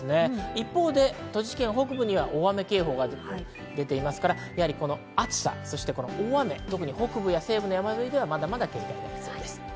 一方で、栃木県北部には大雨警報が出ていますから暑さ、大雨、特に北部や西部の山沿いではまだまだ警戒が必要です。